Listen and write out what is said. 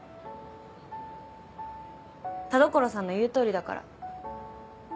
田所さんの言う通りだから。